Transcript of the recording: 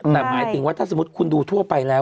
แต่หมายถึงว่าถ้าสมมุติคุณดูทั่วไปแล้ว